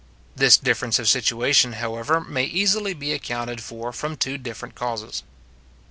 This difference of situation, however, may easily be accounted for from two different causes.